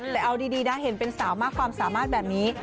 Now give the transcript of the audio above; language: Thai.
แต่เอาดีนะเห็นเป็นสาวมากความสามารถแบบนี้